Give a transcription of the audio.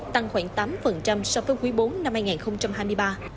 tăng khoảng tám so với quý bốn năm hai nghìn hai mươi ba